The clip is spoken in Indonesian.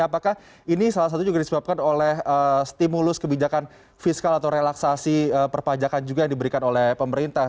apakah ini salah satu juga disebabkan oleh stimulus kebijakan fiskal atau relaksasi perpajakan juga yang diberikan oleh pemerintah